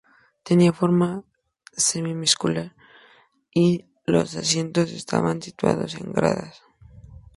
Tenía forma semicircular y los asientos estaban situados en gradas.